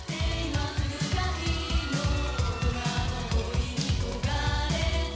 「大人の恋に焦がれて」